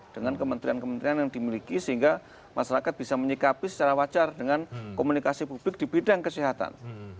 dengan kementerian kementerian yang dimiliki sehingga masyarakat bisa menyikapi secara wajar dengan komunikasi publik di bidang kesehatan